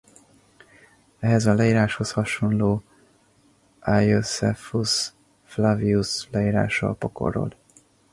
Ehhez a leíráshoz hasonló Iosephus Flavius leírása a pokolról.